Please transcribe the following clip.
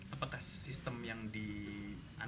apakah sistem yang dianuskan